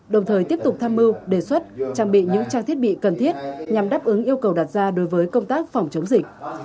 đồng thời tiếp tục tham mưu đề xuất trang bị những trang thiết bị cần thiết nhằm đáp ứng yêu cầu đặt ra đối với công tác phòng chống dịch